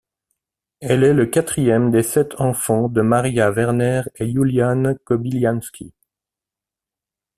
Elle est le quatrième des sept enfants de Maria Werner et Yulian Kobyliansky.